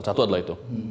satu adalah itu